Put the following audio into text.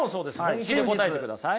本気で答えてください。